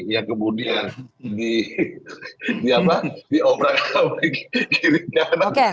yang kemudian di obrak sama kiri kanan